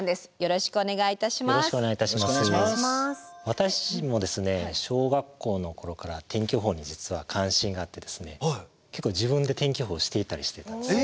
私自身も小学校の頃から天気予報に実は関心があって結構自分で天気予報していたりしてたんです。